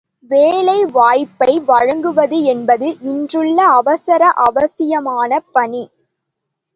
வேலை வாய்ப்பை வழங்குவது என்பது இன்றுள்ள அவசர அவசியமான பணி!